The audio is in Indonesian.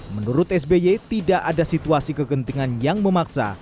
menurut sby tidak ada situasi kegentingan yang memaksa